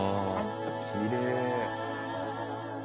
わきれい。